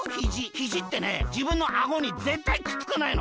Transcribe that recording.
ひじってねじぶんのあごにぜったいくっつかないの！